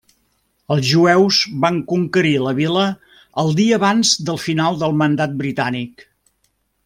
Els jueus van conquerir la vila el dia abans del final del mandat britànic.